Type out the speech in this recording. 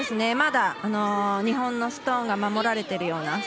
まだ日本のストーンが守られているような。